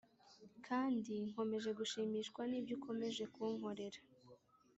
kandi nkomeje gushimishwa n’ibyukomeje kunkorera